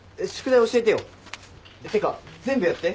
てか全部やって。